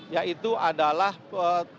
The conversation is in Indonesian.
yaitu adalah penolakan